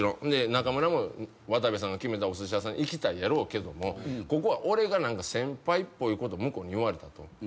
で中村も渡部さんが決めたおすし屋さん行きたいやろうけどもここは俺が先輩っぽいこと向こうに言われたと」